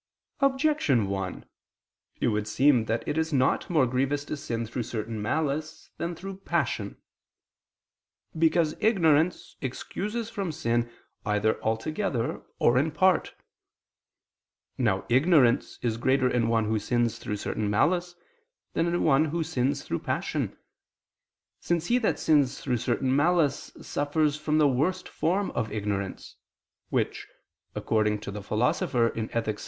Objection 1: It would seem that it is not more grievous to sin through certain malice than through passion. Because ignorance excuses from sin either altogether or in part. Now ignorance is greater in one who sins through certain malice, than in one who sins through passion; since he that sins through certain malice suffers from the worst form of ignorance, which according to the Philosopher (Ethic.